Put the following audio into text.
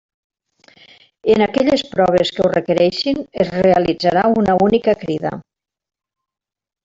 En aquelles proves que ho requereixin, es realitzarà una única crida.